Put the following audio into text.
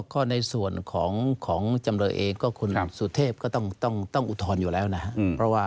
ก็ในส่วนของจำเลยเองก็คุณสุเทพก็ต้องอุทธรณ์อยู่แล้วนะครับ